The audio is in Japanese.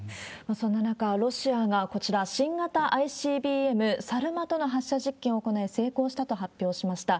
そんな中、ロシアがこちら、新型ＩＣＢＭ、サルマトの発射実験を行い、成功したと発表しました。